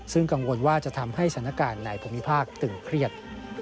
ซึ่งกังวลว่าจะทำให้สถานการณ์ในภูมิภาคตึงเครียด